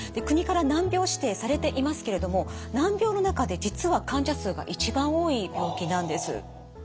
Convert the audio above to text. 国から難病指定されていますけれども難病の中で実は患者数が一番多い病気なんです。